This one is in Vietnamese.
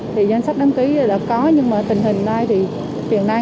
thì danh sách đăng ký là có nhưng mà tình hình này thì hiện nay